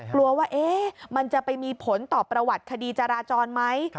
กลัวว่ามันจะไปมีผลต่อประวัติคดีจราจรไหม